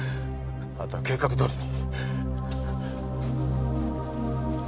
あとは計画どおりに。